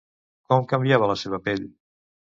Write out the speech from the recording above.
Com canviava la seva pell?